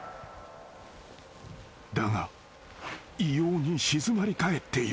［だが異様に静まり返っている］